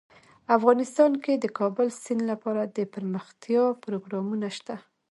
افغانستان کې د د کابل سیند لپاره دپرمختیا پروګرامونه شته.